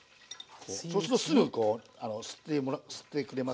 そうするとすぐこう吸ってくれますので。